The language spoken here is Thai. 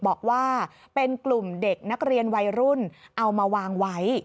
บอกว่าเป็นกลุ่มเด็กนักเรียนวัยรุ่นเอามาวางไว้